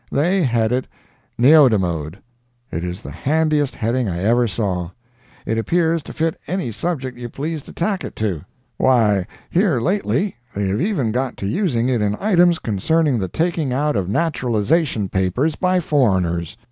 They head it "Neodamode." It is the handiest heading I ever saw; it appears to fit any subject you please to tack it to. Why here lately they have even got to using it in items concerning the taking out of naturalization papers by foreigners.